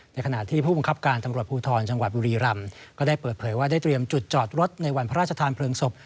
ขณะที่ผู้บังคับการตำรวจภูทรจังหวัดบุรีรำก็ได้เปิดเผยว่าได้เตรียมจุดจอดรถในวันพระราชทานเพลิงศพ